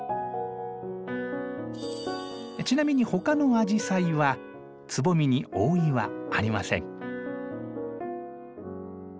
ちなみにほかのアジサイはつぼみに覆いはありません。